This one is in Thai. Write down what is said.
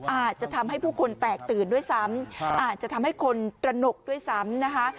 อาจจะทำให้ผู้คนแตกตื่นด้วยซ้ำอาจจะทำให้คนตระหนกด้วยซ้ำนะคะ